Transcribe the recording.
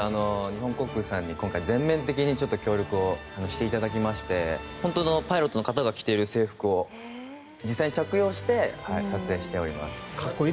日本航空さんに今回、全面的に協力していただきまして本当のパイロットの方が着ている制服を実際に着用して撮影しております。